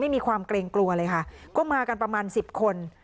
มีความเกรงกลัวเลยค่ะก็มากันประมาณสิบคน